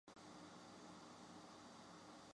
现任社长为金炳镐。